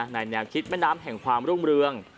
แนวคิดแม่น้ำแห่งความรุ่งเรือง